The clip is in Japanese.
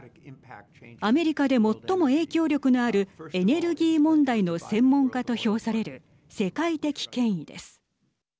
アメリカで最も影響力のあるエネルギー問題の専門家と評される世界的権威です。